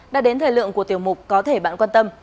đã đến thời lượng của tiểu mục có thể bạn quan tâm